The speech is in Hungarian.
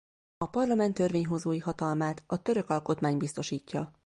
A parlament törvényhozói hatalmát a török alkotmány biztosítja.